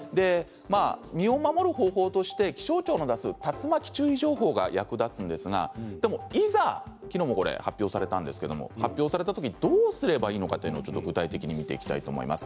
身を守る方法として気象庁の出す竜巻注意情報が役立つんですがいざ、きのうも発表されたんですが発表されたときどうすればいいのか具体的に見ていきたいと思います。